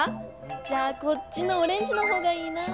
じゃあこっちのオレンジの方がいいなぁ。